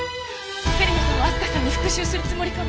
芹野さんは明日香さんに復讐するつもりかも。